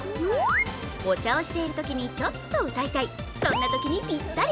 お茶をしているときに、ちょっと歌いたい、そんなときにぴったり。